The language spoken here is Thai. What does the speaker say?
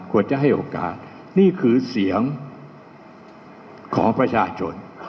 ควรจะให้โอกาสนี่คือเสียงของประชาชน